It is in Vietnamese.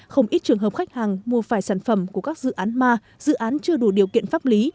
không ít trường hợp khách hàng mua phải sản phẩm của các dự án ma dự án chưa đủ điều kiện pháp lý